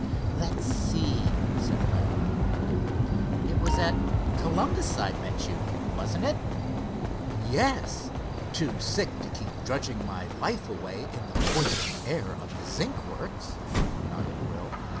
"Let's see," said Hiram, ruminating. "It was at Columbus I met you; wasn't it?" "Yes, too sick to keep drudging my life away in the poison air of the zinc works," nodded Will.